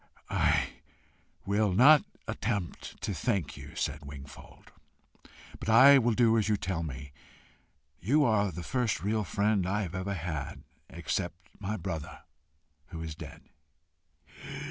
"I will not attempt to thank you," said Wingfold, "but I will do as you tell me. You are the first real friend I have ever had except my brother, who is dead."